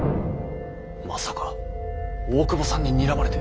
まさか大久保さんににらまれて。